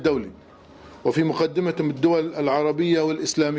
dan diperkenalkan oleh negara negara arab dan islam